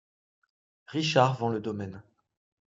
Richard vend le domaine.